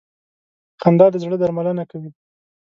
• خندا د زړه درملنه کوي.